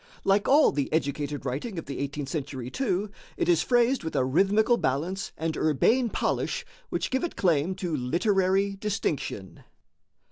Like all the educated writing of the eighteenth century, too, it is phrased with a rhythmical balance and urbane polish which give it claim to literary distinction."